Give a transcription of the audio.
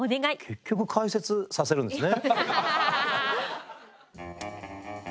結局解説させるんですね。